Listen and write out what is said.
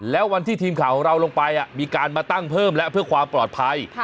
แล้ววันที่ทีมข่าวของเราลงไปมีการมาตั้งเพิ่มแล้วเพื่อความปลอดภัย